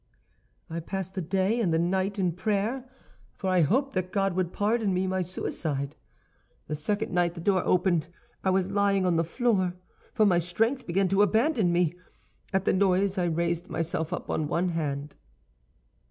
"I passed the day and the night in prayer, for I hoped that God would pardon me my suicide. "The second night the door opened; I was lying on the floor, for my strength began to abandon me. "At the noise I raised myself up on one hand.